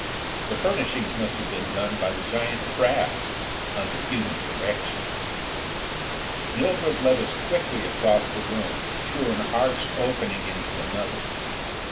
The furnishings must have been done by the giant crabs, under human direction. Mildred led us quickly across the room, through an arched opening into another.